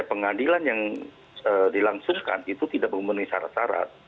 pengadilan yang dilangsungkan itu tidak memenuhi syarat syarat